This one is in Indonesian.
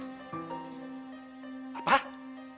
tionya sudah mati